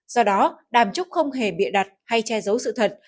do đó đàm trúc không hề bịa đặt hay che giấu sự thật